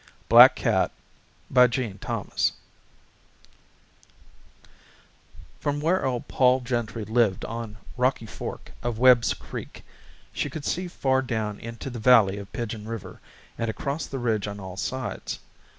BLACK CAT From where old Pol Gentry lived on Rocky Fork of Webb's Creek she could see far down into the valley of Pigeon River and across the ridge on all sides.